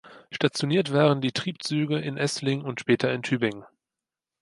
Stationiert waren die Triebzüge in Esslingen und später in Tübingen.